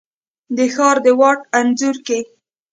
د ښار د واټ انځور کي،